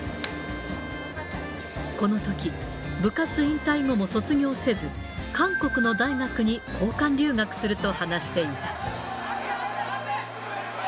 このとき、部活引退後も卒業せず、韓国の大学に交換留学すると話していた。